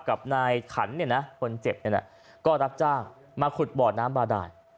กับนายขันเนี่ยนะคนเจ็บเนี่ยนะก็รับจ้างมาขุดบ่อน้ำบาดาน